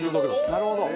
なるほど。